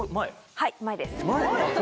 はい前です。